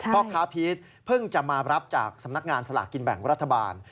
พ่อค้าพีชเพิ่งจะมารับจากสำนักงานสลากกินแบ่งรัฐบาล